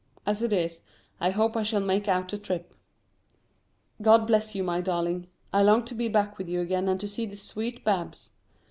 As it is, I hope I shall make out the trip. God bless you, my darling. I long to be back with you again and to see the sweet Babs.